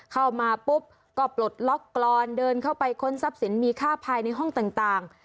เข้ามาปุ๊บก็ปลดล็อกกรอนเดินเข้าไปค้นทรัพย์สินมีค่าภายในห้องต่าง